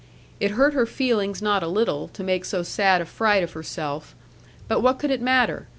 It hurt her feelings not a little to make so sad a fright of herself; but what could it matter?